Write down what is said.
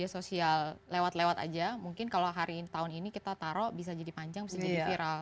sosial lewat lewat aja mungkin kalau hari ini tahun ini kita taruh bisa jadi panjang bisa jadi viral